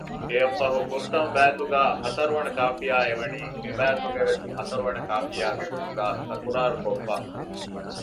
އެއަށްފަހު ފުރަތަމަ ބައިތުގެ ހަތަރުވަނަ ކާފިޔާ އެ ވަނީ މި ބައިތުގެ ވެސް ހަތަރުވަނަ ކާފިޔާގެ ގޮތުގައި ތަކުރާރުކޮށްފަ